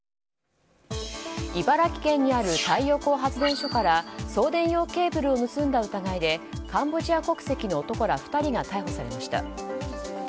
茨城県にある太陽光発電所から送電用ケーブルを盗んだ疑いでカンボジア国籍の男ら２人が逮捕されました。